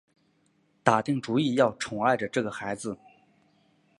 打定主意要宠爱着这个孩子